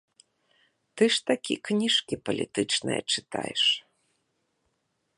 Ты ж такі кніжкі палітычныя чытаеш.